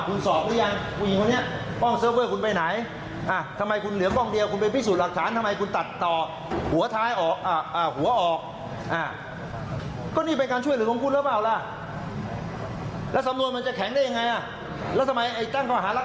คุณชูวิทย์เชื่อว่าตำรวจมีทั้งหมดแต่ไม่เอาเข้าสู่สำนวนคดีทั้งหมด